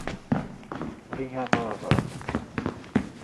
Linha Nova